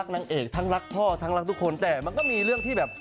น้องกระดาษอีกท่านหนึ่งก็คือด้านนั้น